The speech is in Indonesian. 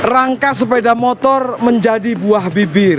rangka sepeda motor menjadi buah bibir